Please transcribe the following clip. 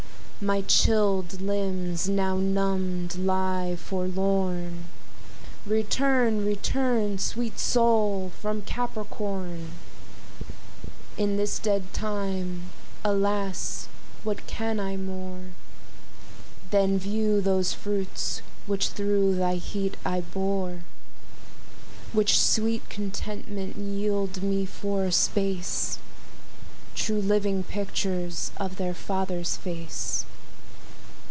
My chilled limbs now numbed lie forlorn; Return; return, sweet Sol, from Capricorn; In this dead time, alas, what can I more Than view those fruits which through thy heart I bore? Which sweet contentment yield me for a space, True living pictures of their father's face.